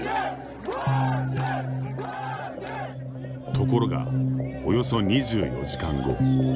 ところが、およそ２４時間後。